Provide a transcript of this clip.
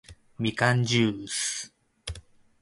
みかんじゅーす